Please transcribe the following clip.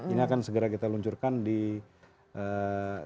ini akan segera kita luncurkan di dalam bankan